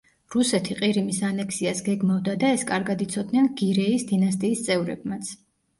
რუსეთი ყირიმის ანექსიას გეგმავდა და ეს კარგად იცოდნენ გირეის დინასტიის წევრებმაც.